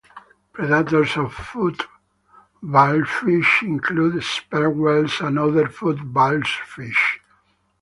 Predators of footballfish include sperm whales and other footballfish.